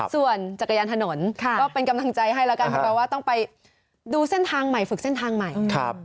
ส่วนจักรยานถนนก็เป็นกำลังใจให้แล้วกันเพราะว่าต้องไปดูเส้นทางใหม่ฝึกเส้นทางใหม่